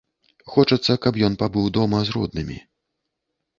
Хочацца, каб ён пабыў дома з роднымі.